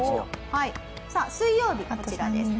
はい水曜日こちらです。